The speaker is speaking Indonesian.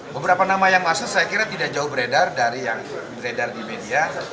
beberapa nama yang masuk saya kira tidak jauh beredar dari yang beredar di media